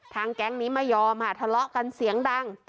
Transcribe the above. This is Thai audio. แก๊งนี้ไม่ยอมค่ะทะเลาะกันเสียงดัง